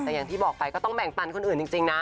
แต่อย่างที่บอกไปก็ต้องแบ่งปันคนอื่นจริงนะ